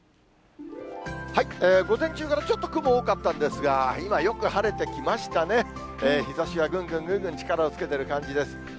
午前中からちょっと雲多かったんですが、今よく晴れてきましたね。日ざしはぐんぐんぐんぐん力をつけてる感じです。